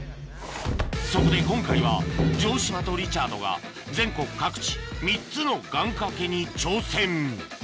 そこで今回は城島とリチャードが全国各地３つの願掛けに挑戦